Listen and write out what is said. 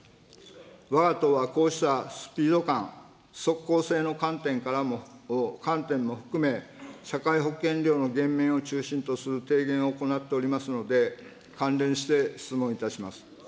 わが党はこうしたスピード感、即効性の観点からも、観点も含め、社会保険料の減免を中心とする提言を行っておりますので、関連して質問いたします。